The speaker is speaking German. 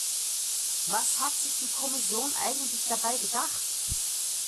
Was hat sich die Kommission eigentlich dabei gedacht?